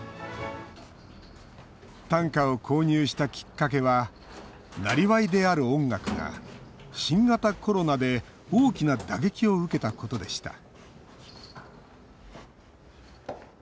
短歌を購入したきっかけはなりわいである音楽が新型コロナで大きな打撃を受けたことでした